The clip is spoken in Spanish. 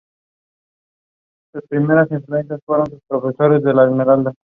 Fue durante este período cuando Balzac acudía regularmente a numerosas estancias en el castillo.